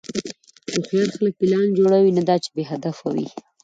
هوښیار خلک پلان جوړوي، نه دا چې بېهدفه وي.